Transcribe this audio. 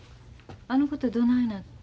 あのことどないなった？